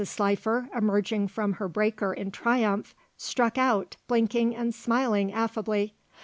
Slifer, emerging from her breaker in triumph, struck out, blinking and smiling affably.